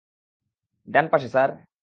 ডান পাশে, স্যার।